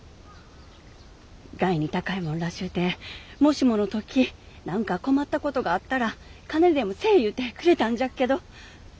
がいに高いもんらしゅうてもしもの時何か困ったことがあったら金にでもせえ言うてくれたんじゃけど。